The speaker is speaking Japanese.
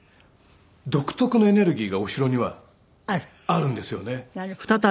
独特のエネルギーがお城にはあるんですよね。